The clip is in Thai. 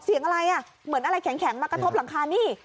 เสียงอะไรอ่ะเหมือนอะไรแข็งมากระทบหลังคานี่